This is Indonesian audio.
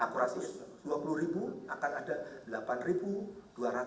akurasi rp dua puluh akan ada delapan dua ratus